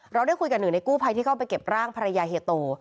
ได้คุยกับหนึ่งในกู้ภัยที่เข้าไปเก็บร่างภรรยาเฮียโต